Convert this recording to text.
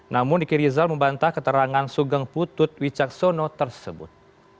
namun riki dizal membantah keterangan sugeng putu wicaksono tersebut